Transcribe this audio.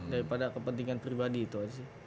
daripada kepentingan pribadi itu aja sih